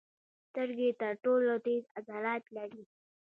سترګې تر ټولو تېز عضلات لري.